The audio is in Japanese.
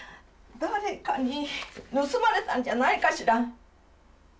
誰かに盗まれたんじゃないかしら？